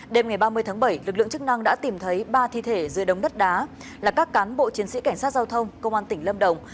đêm ngày ba mươi tháng bảy lực lượng chức năng đã tìm thấy ba thi thể dưới đống đất đá là các cán bộ chiến sĩ cảnh sát giao thông công an tỉnh lâm đồng